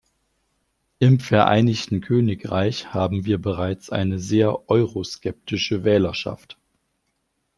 Im Vereinigten Königreich haben wir bereits eine sehr euroskeptische Wählerschaft.